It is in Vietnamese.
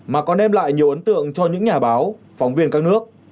mà còn đem lại nhiều ấn tượng cho những nhà báo phóng viên các nước